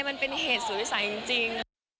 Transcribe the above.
มันเป็นเหตุสวยใสจริง